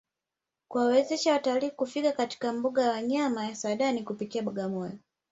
Kuwawezesha watalii kufika katika mbuga ya wanyama ya Saadani kupitia Bagamoyo